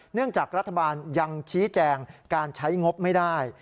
จากรัฐบาลยังชี้แจงการใช้งบไม่ได้